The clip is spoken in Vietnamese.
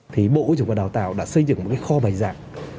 thì bộ giáo dục và đào tạo đã xây dựng một cái kho bài giảng